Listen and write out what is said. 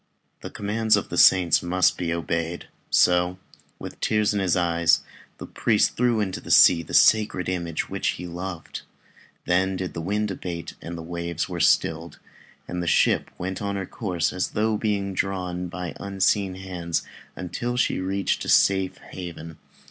The commands of the saints must be obeyed, so with tears in his eyes, the priest threw into the sea the sacred image which he loved. Then did the wind abate, and the waves were stilled, and the ship went on her course as though she were being drawn by unseen hands until she reached a safe haven.